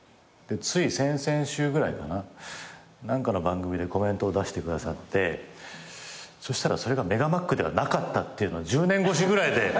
つい先々週ぐらいかな何かの番組でコメントを出してくださってそしたらそれがメガマックではなかったっていうの１０年越しぐらいで。